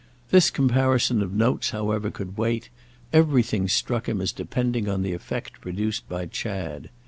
This comparison of notes however could wait; everything struck him as depending on the effect produced by Chad.